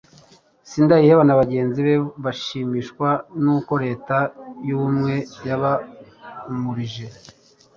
sindayiheba na bagenzi be bashimishwa n'uko leta y'ubumwe yabahumurije